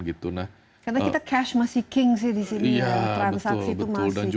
karena kita cash masih king sih di sini transaksi itu masih